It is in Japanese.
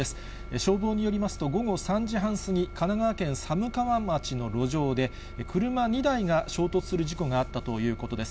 消防によりますと、午後３時半過ぎ、神奈川県寒川町の路上で、車２台が衝突する事故があったということです。